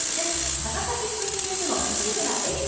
高崎中継所の吉村恵里子